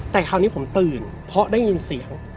แต่คราวนี้ผมตื่นเพราะได้ยินเสียง